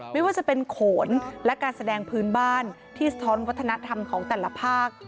ไม่ว่าจะเป็นโขนและการแสดงพื้นบ้านที่สะท้อนวัฒนธรรมของแต่ละภาค